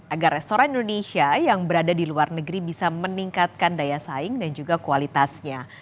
agar restoran indonesia yang berada di luar negeri bisa meningkatkan daya saing dan juga kualitasnya